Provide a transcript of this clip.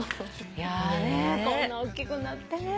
いやこんなおっきくなってね。